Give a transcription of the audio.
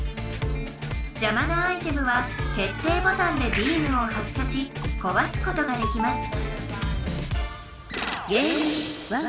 じゃまなアイテムは決定ボタンでビームを発射しこわすことができます